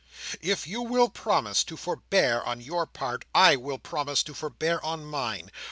If you will promise to forbear on your part, I will promise to forbear on mine.